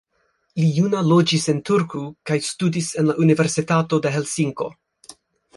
Li juna loĝis en Turku kaj studis en la Universitato de Helsinko.